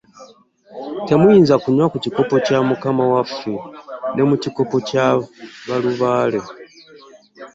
Temuyinza kunywa ku kikompe kya Mukama waffe ne ku kikompe kya balubaale.